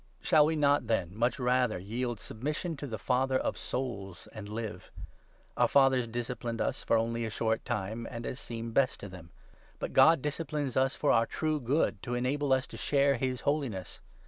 Shall we not, then, much rather yield submission to the Father of souls, and live ? Our fathers disciplined us for only a short 10 time and as seemed best to them ; but God disciplines us for our true good, to enable us to share his holiness.